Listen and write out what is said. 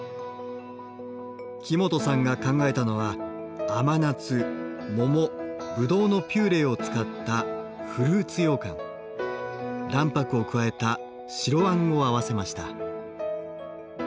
木本さんが考えたのは甘夏モモブドウのピューレを使った卵白を加えた白あんを合わせました。